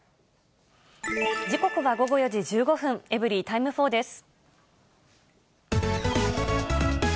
時刻は午後４時１５分、エブリィタイム４です。